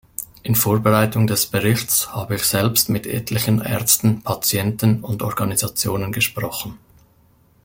In Vorbereitung des Berichts habe ich selbst mit etlichen Ärzten, Patienten und Organisationen gesprochen.